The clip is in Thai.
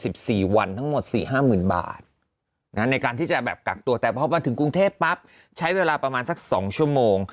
๕๐๐๐๐บาทในการที่จะแบบกักตัวแต่พอถึงกรุงเทพฯปั๊บใช้เวลาประมาณสัก๒ชั่วโมง